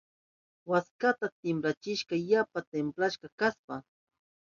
Waskata pulsayachirka yapa timplakta kashpan.